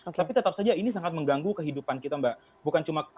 tapi tetap saja ini sangat mengganggu kehidupan kita mbak